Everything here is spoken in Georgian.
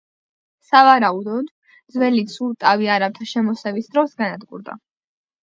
სავარაუდოდ, ძველი ცურტავი არაბთა შემოსევის დროს განადგურდა.